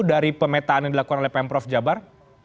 dari pemetaan yang dilakukan oleh pemprov jabar